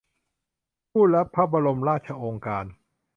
ผู้รับพระบรมราชโองการ